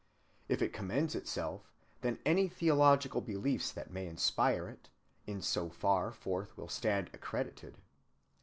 If it commends itself, then any theological beliefs that may inspire it, in so far forth will stand accredited.